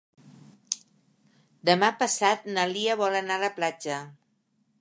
Demà passat na Lia vol anar a la platja.